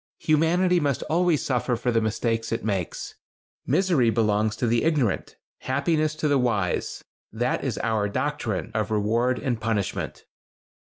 Humanity must always suffer for the mistakes it makes. Misery belongs to the ignorant; happiness to the wise. That is our doctrine of reward and punishment."